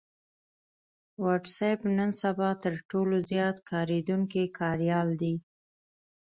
وټس اېپ نن سبا تر ټولو زيات کارېدونکی کاريال دی